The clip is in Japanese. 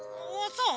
そう？